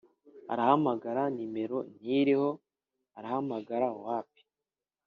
arahamagara nimero ntiriho arahamagara wapi,